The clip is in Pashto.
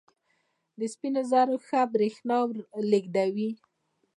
د سپینو زرو ښه برېښنا لېږدوي.